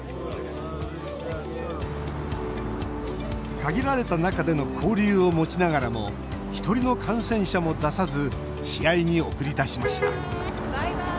限られた中での交流を持ちながらも１人の感染者も出さず試合に送り出しましたバイバイ！